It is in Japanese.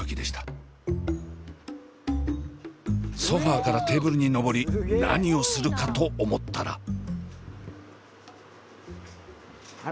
ソファーからテーブルに登り何をするかと思ったら。